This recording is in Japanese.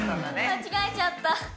間違えちゃった。